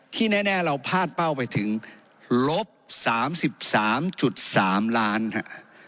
ที่แน่แน่เราพาดเป้าไปถึงลบสามสิบสามจุดสามล้านฮะ